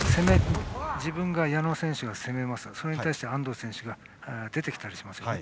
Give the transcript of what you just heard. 矢野選手が攻めますがそれに対して安藤選手が出てきたりしますよね。